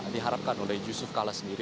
diharapkan oleh yusuf kala sendiri